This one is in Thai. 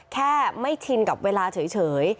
แค่ไม่ชินกับเวลาเฉย